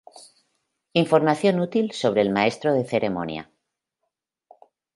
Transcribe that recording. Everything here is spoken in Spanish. Información útil sobre el Maestro de Ceremonia